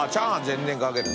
全然かける。